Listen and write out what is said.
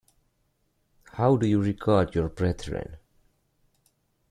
How do you regard your brethren?